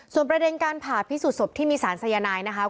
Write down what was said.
ประเด็นการผ่าพิสูจนศพที่มีสารสายนายนะคะ